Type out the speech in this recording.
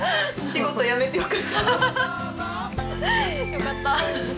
よかった！